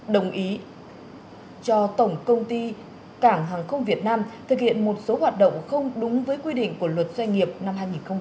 đồng ý cho tổng công ty cảng hàng không việt nam thực hiện một số hoạt động không đúng với quy định của luật doanh nghiệp năm hai nghìn một mươi ba